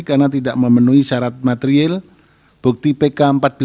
karena tidak memenuhi syarat materiil bukti pk empat belas